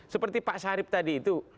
seperti pak sarip tadi itu